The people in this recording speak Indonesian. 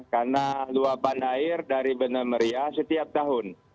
karena luapan air dari benar meriah setiap tahun